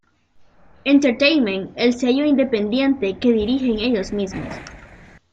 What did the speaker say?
Entertainment, el sello independiente que dirigen ellos mismos.